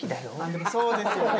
でもそうですよね。